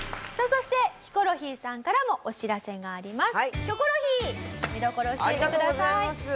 そしてハマさんからもお知らせがあります。